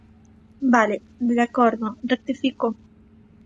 Vale, de acordo, rectifico.